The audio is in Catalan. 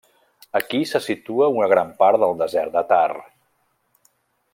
Aquí se situa una gran part del desert de Thar.